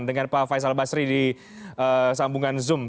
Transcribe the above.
dengan pak faisal basri di sambungan zoom